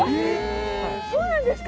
そうなんですか？